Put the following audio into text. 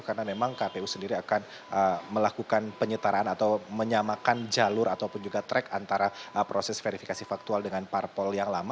karena memang kpu sendiri akan melakukan penyetaraan atau menyamakan jalur ataupun juga track antara proses verifikasi faktual dengan parpol yang lama